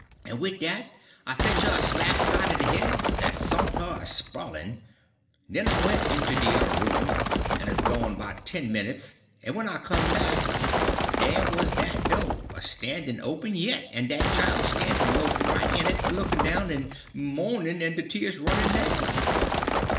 "En wid dat I fetch' her a slap side de head dat sont her a sprawlin'. Den I went into de yuther room, en 'uz gone 'bout ten minutes; en when I come back dah was dat do' a stannin' open yit, en dat chile stannin' mos' right in it, a lookin' down and mournin', en de tears runnin' down.